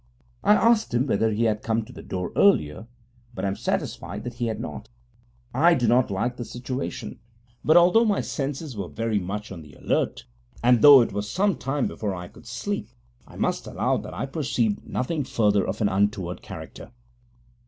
I asked him whether he had come to the door earlier; but am satisfied that he had not. I do not like the situation; but although my senses were very much on the alert, and though it was some time before I could sleep, I must allow that I perceived nothing further of an untoward character.